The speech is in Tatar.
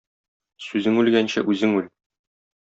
Сүзең үлгәнче үзең үл!